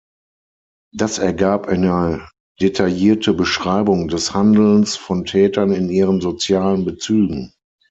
Das ergab eine detaillierte Beschreibung des Handelns von Tätern in ihren sozialen Bezügen.